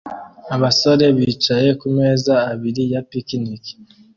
abasore bicaye kumeza abiri ya picnic